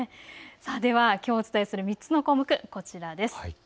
ではきょうお伝えする３つの項目こちらです。